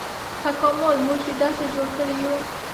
تکامل موږ داسې جوړ کړي یوو.